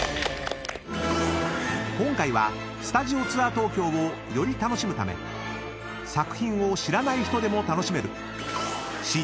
［今回はスタジオツアー東京をより楽しむため作品を知らない人でも楽しめる］